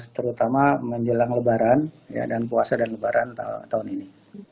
terutama menjelang lebaran dan puasa dan lebaran tahun ini